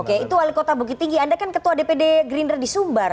oke itu wali kota bukit tinggi anda kan ketua dpd gerindra di sumbar